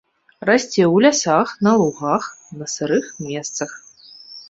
Расце ў лясах, на лугах, на сырых месцах.